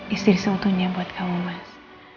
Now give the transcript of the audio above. istri seutuhnya buat kamu mas